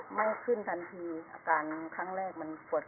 หมันคืนทันทีอาการครั้งแรกมันปวดเสพ